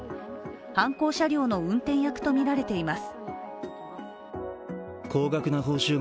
犯行車両の運転役とみられています。